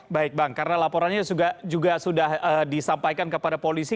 baik bang karena laporannya juga sudah disampaikan kepada polisi